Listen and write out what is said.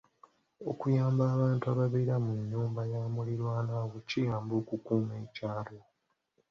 Okumanya abantu ababeera mu nnyumba ya mulirwana wo kiyamba okukuuma ekyalo.